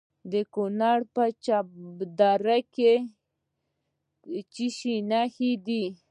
د کونړ په چپه دره کې د څه شي نښې دي؟